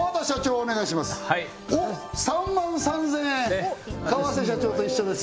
お願いしますはいおっ３万３０００円河瀬社長と一緒です